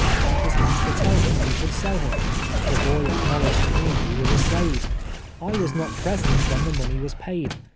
Heard his master tell him he should sell him. The boy acknowledged to me he was a slave. I was not present when the money was paid.